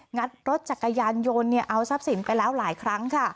งัดรถจักรยานยนต์เอาทรัพย์สินไปแล้วหลายครั้งค่ะ